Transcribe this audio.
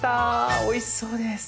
おいしそうです。